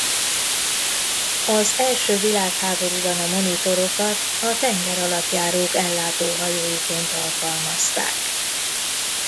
Az első világháborúban a monitorokat a tengeralattjárók ellátóhajóiként alkalmazták.